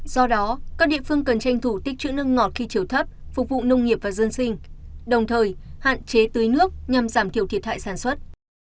do đó các địa phương cần tranh thủ tích chữ nước ngọt khi chiều thấp phục vụ nông nghiệp và dân sinh đồng thời hạn chế tưới nước nhằm giảm thiểu thiệt hại sản xuất